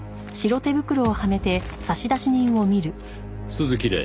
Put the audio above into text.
「鈴木礼」